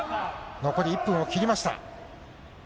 残り１分を切りました。